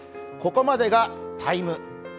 ここまでが「ＴＩＭＥ’」。